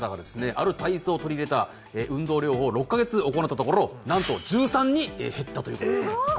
ある体操を取り入れた運動療法を６カ月行ったところなんと１３に減ったというえっ！